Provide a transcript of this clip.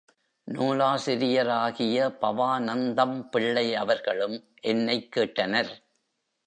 நூலாசிரியராகிய பவாநந்தம் பிள்ளை அவர்களும் என்னைக் கேட்டனர்.